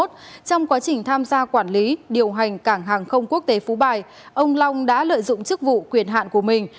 trong quá trình tham gia quản lý điều hành cảng hàng không quốc tế phú bài ông long đã lợi dụng chức vụ quyền hạn của mình